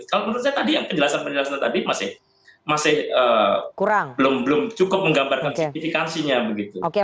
kalau menurut saya tadi yang penjelasan penjelasan tadi masih belum cukup menggambarkan signifikansinya begitu